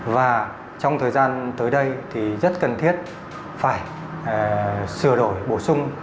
và trong thời gian tới đây thì rất cần thiết phải sửa đổi bổ sung